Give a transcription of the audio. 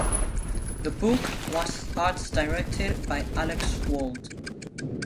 The book was art-directed by Alex Wald.